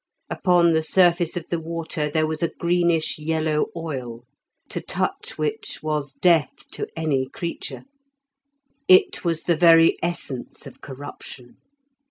Upon the surface of the water there was a greenish yellow oil, to touch which was death to any creature; it was the very essence of corruption.